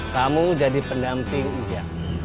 kamu jadi pendamping uja